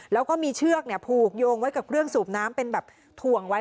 แล้วก็มีเชือกผูกโยงไว้กับเครื่องสูบน้ำเป็นแบบถ่วงไว้